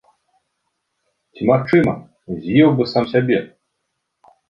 Ці, магчыма, з'еў бы сам сябе.